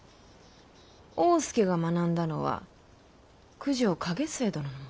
大典侍が学んだのは九条景季殿の下。